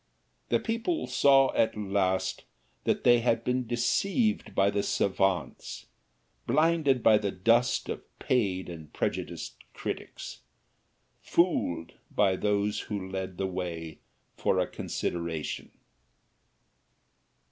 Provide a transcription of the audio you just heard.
The people saw at last that they had been deceived by the savants, blinded by the dust of paid and prejudiced critics, fooled by those who led the way for a consideration.